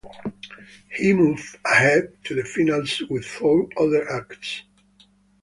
He moved ahead to the finals with four other acts.